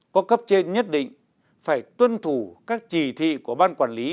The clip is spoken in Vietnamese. có cấp trên nhất định phải tuân thủ các chỉ thị của ban quản lý